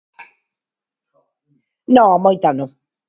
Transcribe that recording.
No, moita, no.